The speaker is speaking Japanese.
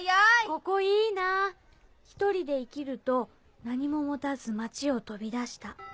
ここいいな「ひとりで生きると何も持たず町をとび出した。